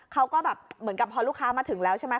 เขาก็แบบเหมือนกับพอลูกค้ามาถึงแล้วใช่ไหม